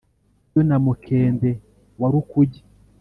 yo na mukende wa rukuge